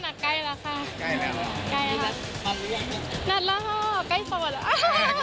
นัดแล้วค่ะใกล้ส่วน